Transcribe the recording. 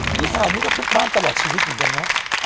หรือว่านี่ก็ทุบบ้านตลอดชีวิตอยู่จริงไหม